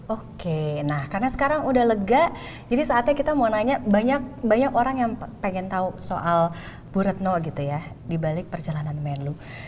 oke karena sekarang sudah lega jadi saatnya kita mau nanya banyak orang yang ingin tahu soal bu retno dibalik perjalanan menlo